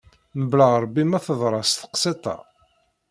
Mebla Rebbi ma teḍra-s teqsiṭ-a